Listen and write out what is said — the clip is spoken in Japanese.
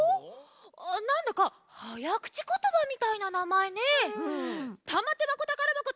なんだかはやくちことばみたいななまえね。